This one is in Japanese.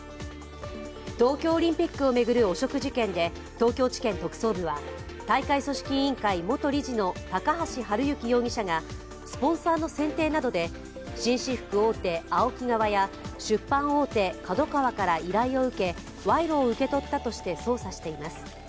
東京オリンピックを巡る汚職事件で東京地検特捜部は大会組織委員会元理事の高橋治之容疑者がスポンサーの選定などで紳士服大手ＡＯＫＩ側や出版大手ＫＡＤＯＫＡＷＡから依頼を受け賄賂を受け取ったとして捜査しています。